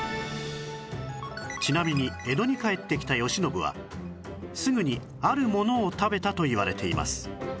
ちなみに江戸に帰ってきた慶喜はすぐにあるものを食べたといわれています